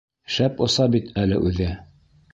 Шәп оса бит әле үҙе?!